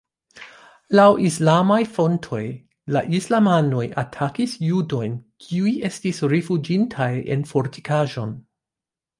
Laŭ islamaj fontoj, la islamanoj atakis judojn kiuj estis rifuĝintaj en fortikaĵon.